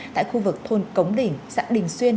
tại khu vực thôn cống đỉnh dạng đình xuyên